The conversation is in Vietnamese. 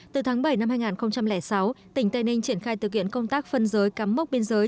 từ tháng bảy năm hai nghìn sáu tỉnh tây ninh triển khai thực hiện công tác phân giới cắm mốc biên giới